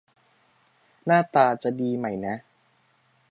หน้าตาจะดีไหมนะ